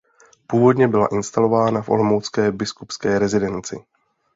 Původně byla instalována v olomoucké biskupské rezidenci.